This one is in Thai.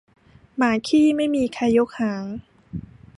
หมาขี้ไม่มีใครยกหาง